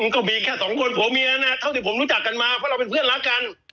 ก็มีแค่สองคนผัวเมียนะเท่าที่ผมรู้จักกันมาเพราะเราเป็นเพื่อนรักกัน